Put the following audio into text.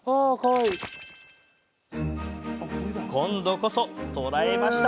今度こそ捉えました。